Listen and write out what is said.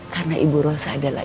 karena ibu rosa adalah